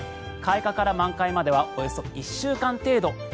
開花から満開まではおよそ１週間程度。